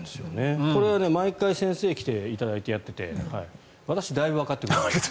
これが毎回先生に来ていただいてやっていただいて私、だいぶわかってきました。